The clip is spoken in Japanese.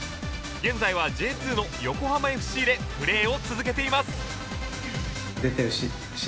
現在は Ｊ２ の横浜 ＦＣ でプレーを続けています